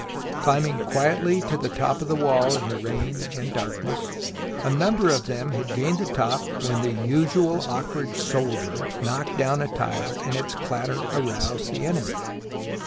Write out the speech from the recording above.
Climbing quietly to the top of the wall in the rain and darkness, a number of them had gained the top when the usual awkward soldier knocked down a tile and its clatter aroused the enemy.